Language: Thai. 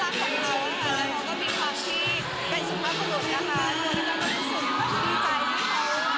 อันนี้ก็เป็นความน่ารักของคุณค่ะแล้วก็มีความที่เป็นสุขมากของคุณค่ะ